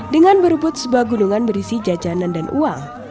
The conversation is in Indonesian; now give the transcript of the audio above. dengan berebut sebuah gunungan berisi jajanan dan uang